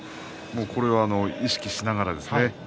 もうこれは意識しながらですね。